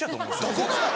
どこが？